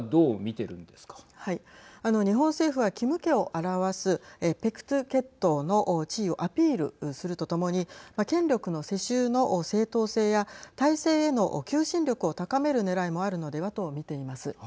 あの日本政府はキム家を表す白頭血統の地位をアピールするとともに権力の世襲の正当性や体制への求心力を高めるねらいもあるのではと見ています。